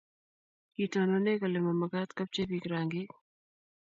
kitonone kole ma mekat kobchei biik rangik